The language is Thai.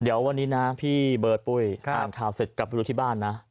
เดี๋ยววันนี้นะพี่เบิร์ดปุ้ยอ่านข่าวเสร็จกลับไปดูที่บ้านนะ